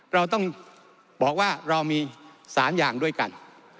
เราต้องบอกว่าเรามี๓อย่างด้วยกัน